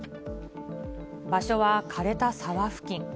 場所は枯れた沢付近。